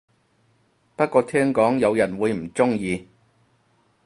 不過聽講有人會唔鍾意